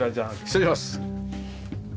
失礼します。